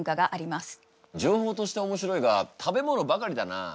情報として面白いが食べ物ばかりだなあ。